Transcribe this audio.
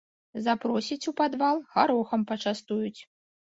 Запросяць у падвал, гарохам пачастуюць.